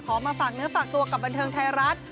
มาฝากเนื้อฝากตัวกับบันเทิงไทยรัฐ